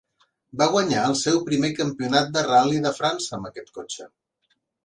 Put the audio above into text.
Va guanyar el seu primer Campionat de Ral·li de França amb aquest cotxe.